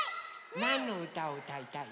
なんのうたをうたいたい？